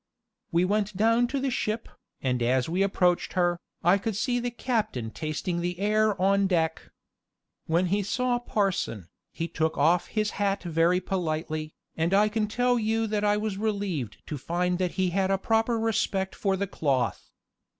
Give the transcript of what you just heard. We went down to the ship, and as we approached her, I could see the captain tasting the air on deck. When he saw parson, he took off his hat very politely, and I can tell you that I was relieved to find that he had a proper respect for the cloth.